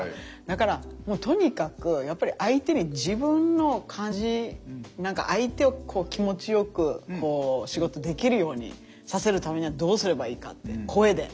だからもうとにかくやっぱり相手に自分の感じ何か相手を気持ちよくこう仕事できるようにさせるためにはどうすればいいかって声で。